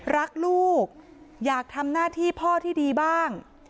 รักลูกอยากทำหน้าที่พ่อที่ดีบ้าง